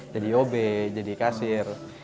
jadi obik jadi kasir